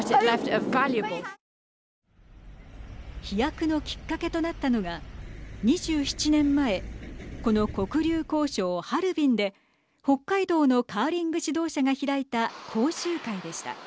飛躍のきっかけとなったのが２７年前この黒竜江省、ハルビンで北海道のカーリング指導者が開いた講習会でした。